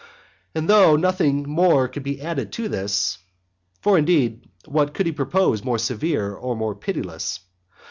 And though nothing could be added to this, (for, indeed, what could he propose more severe or more pitiless?)